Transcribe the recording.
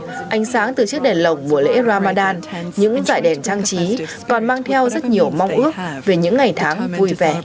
và trong mắt các em ánh sáng từ chiếc đèn lồng buổi lễ ramadan những dải đèn trang trí còn mang theo rất nhiều mong ước về những ngày tháng vui vẻ yên bình